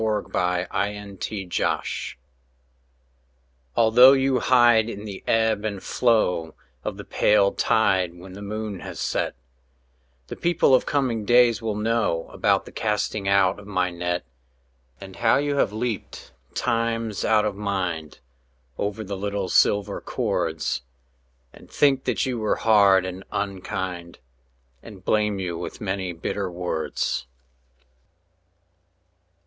BREASAL THE FISHERMAN Although you hide in the ebb and flow Of the pale tide when the moon has set, The people of coming days will know About the casting out of my net, And how you have leaped times out of mind Over the little silver cords, And think that you were hard and unkind, And blame you with many bitter words.